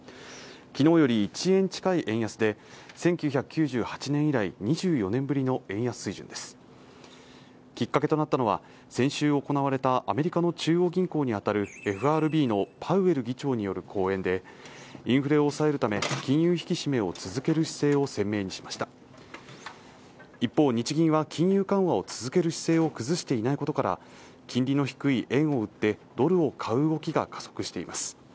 きのうより１円近い円安で１９９８年以来２４年ぶりの円安水準ですきっかけとなったのは先週行われたアメリカの中央銀行にあたるＦＲＢのパウエル議長による講演でインフレを抑えるため金融引き締めを続ける姿勢を鮮明にしました一方日銀は金融緩和を続ける姿勢を崩していないことから金利の低い円を売ってドルを買う動きが加速しています